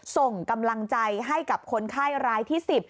ส่งกำลังใจให้กับคนไข้รายที่๑๐